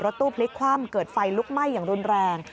ตู้พลิกคว่ำเกิดไฟลุกไหม้อย่างรุนแรง